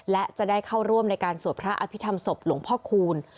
และจะได้เข้าร่วมในการสวดพระอภิษฐรรมศพหลวงพ่อคูณ